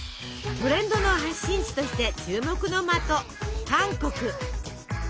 トレンドの発信地として注目の的韓国。